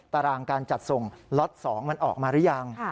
ตารางการจัดส่งล็อต๒มันออกมาหรือยัง